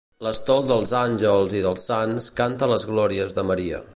L'estol dels àngels i dels sants canta les glòries de Maria.